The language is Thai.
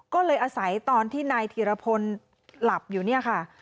ก็เลยอาศัยตอนที่นายธีรพลหลับอยู่เนี่ยค่ะ